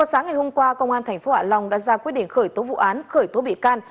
vào sáng ngày hôm qua công an thành phố hạ long đã ra quyết định khởi tố vụ án khởi tố bị can